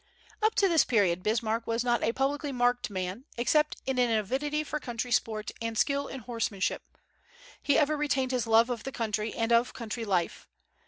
Up to this period Bismarck was not a publicly marked man, except in an avidity for country sports and skill in horsemanship. He ever retained his love of the country and of country life.